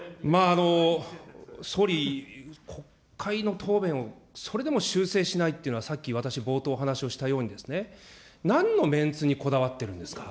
総理、国会の答弁を、それでも修正しないっていうのは、さっき私、冒頭お話しをしたようにですね、なんのメンツにこだわってるんですか。